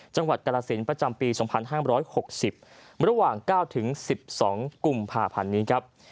จังหวัดกรสินประจำปี๒๕๖๐ระหว่าง๙๑๒กุมภาพันธ์นี้ครับ